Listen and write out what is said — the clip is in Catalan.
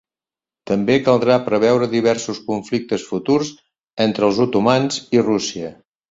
També caldrà preveure diversos conflictes futurs entre els otomans i Rússia.